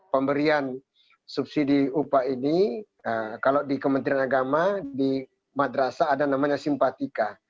pemberian subsidi upah ini kalau di kementerian agama di madrasah ada namanya simpatika